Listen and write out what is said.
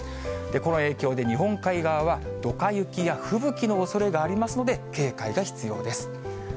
この影響で、日本海はどか雪や吹雪のおそれがありますので、警戒が必要です。